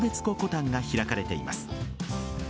湖コタンが開かれています。